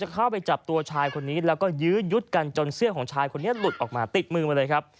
เข้าไปจับตัวชายคนนี้แล้วก็ยื้อยุดกันจนเสื้อของชายคนนี้หลุดออกมาติดมือมาเลยครับ